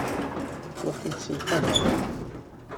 Ur tent-sselqameɣ.